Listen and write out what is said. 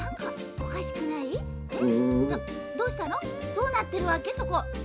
どうなってるわけそこ？